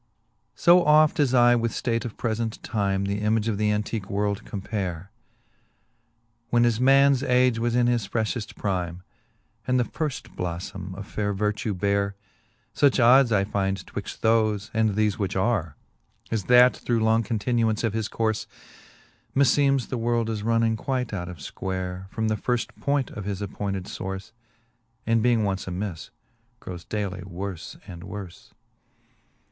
I. O oft as I with ftate of prefent time The image of the antique world compare. When as mans age was in his frefhefl: prime, And the firft bloflbme of faire vertue bare. Such oddes I finde twixt thofe, and thefe which are, As that, through long continuance of his courle, Me feemes the world is runne quite out of iquare, From the firft point of his appointed fourfe j And being once amifle growes daily wourfe and wourle. B 11. For a I'he fifth Booke of Canto I. 11.